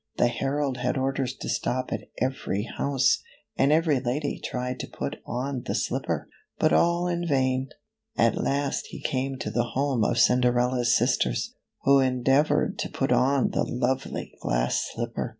The herald had orders to stop at every house, and every lady tried to put on the slipper, but all in vain. At last he came to the home of Cinderella's sisters, who endeavored to put on the lovely glass slipper